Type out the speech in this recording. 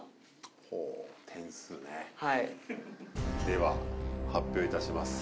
では発表致します。